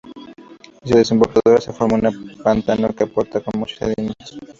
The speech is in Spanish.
En su desembocadura se forma un pantano al que aporta con muchos sedimentos.